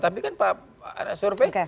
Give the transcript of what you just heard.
tapi kan pak survei